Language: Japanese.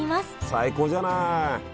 最高じゃない！